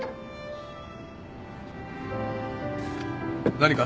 何か？